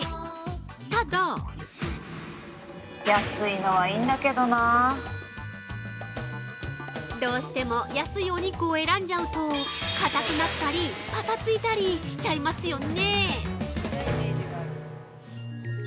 ただ◆どうしても安いお肉を選んじゃうとかたくなったり、ぱさついたりしちゃいますよね。